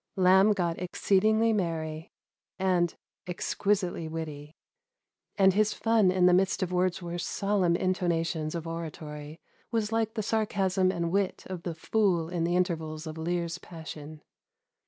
Lamb got exceedingly merry, and exquisitely witty r and hit fun in the midst of Wordsworth's solemn intonations of ora tory was like the sarcasm and wit of the fool in the intervals of Lear's passion.